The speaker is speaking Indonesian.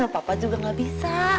papa juga gak bisa